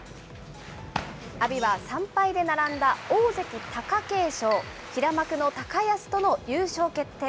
阿炎は３敗で並んだ大関・貴景勝、平幕の高安との優勝決定